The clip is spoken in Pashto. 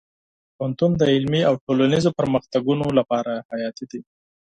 پوهنتون د علمي او ټولنیزو پرمختګونو لپاره حیاتي دی.